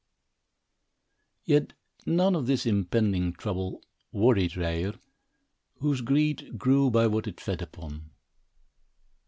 Yet none of this impending trouble worried Ryer, whose greed grew by what it fed upon.